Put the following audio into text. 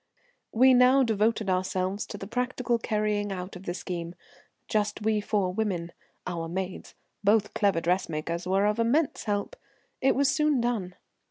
"We now devoted ourselves to the practical carrying out of the scheme, just we four women; our maids, both clever dressmakers, were of immense help. It was soon done.